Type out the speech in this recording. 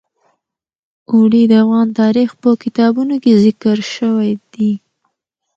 اوړي د افغان تاریخ په کتابونو کې ذکر شوی دي.